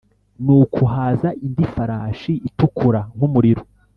Nuko haza indi farashi itukura nk’umuriro